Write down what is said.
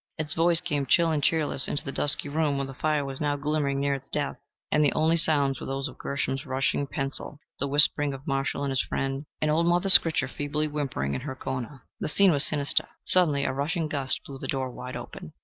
Its voice came chill and cheerless into the dusky room, where the fire was now glimmering near its death, and the only sounds were those of Gershom's rushing pencil, the whispering of Marshall and his friend, and old Mother Scritcher feebly whimpering in her corner. The scene was sinister. Suddenly, a rushing gust blew the door wide open.